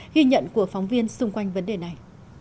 ghi nhận của phóng viên xung quanh vấn đề này